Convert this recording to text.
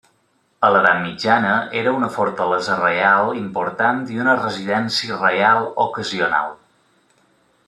A l'edat mitjana era una fortalesa reial important i una residència reial ocasional.